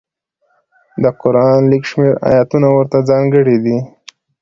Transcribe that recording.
د قران لږ شمېر ایتونه ورته ځانګړي دي.